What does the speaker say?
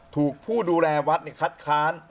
ถูกผู้ดูแลวัดคัดค้าน